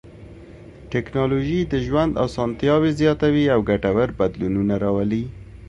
ټکنالوژي د ژوند اسانتیاوې زیاتوي او ګټور بدلونونه راولي.